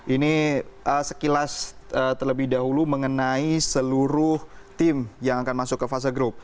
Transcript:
ini sekilas terlebih dahulu mengenai seluruh tim yang akan masuk ke fase grup